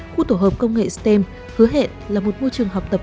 khu tổ hợp công nghệ stem hứa hẹn là một môi trường học tập